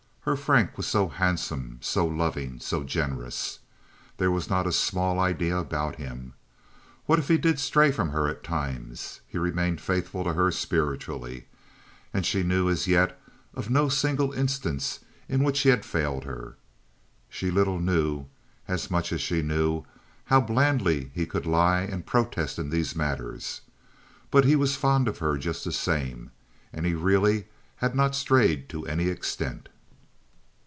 Her Frank was so handsome, so loving, so generous. There was not a small idea about him. What if he did stray from her at times? He remained faithful to her spiritually, and she knew as yet of no single instance in which he had failed her. She little knew, as much as she knew, how blandly he could lie and protest in these matters. But he was fond of her just the same, and he really had not strayed to any extent.